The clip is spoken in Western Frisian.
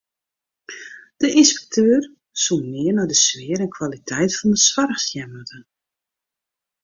De ynspekteur soe mear nei de sfear en kwaliteit fan de soarch sjen moatte.